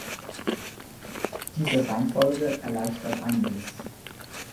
Diese Reihenfolge erleichtert einiges.